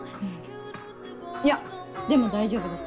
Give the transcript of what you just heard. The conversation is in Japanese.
いやでも大丈夫です